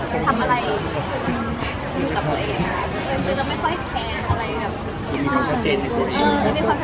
เป็นคนหลายตัวอื่นเป็นคนที่ทำอะไรกับตัวเอง